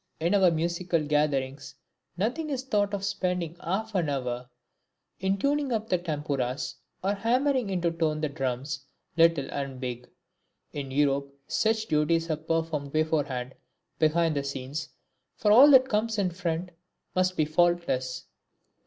In our musical gatherings nothing is thought of spending half an hour in tuning up the Tanpuras, or hammering into tone the drums, little and big. In Europe such duties are performed beforehand, behind the scenes, for all that comes in front must be faultless.